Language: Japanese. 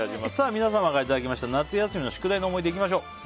皆様からいただきました夏休みの宿題の思い出いきましょう。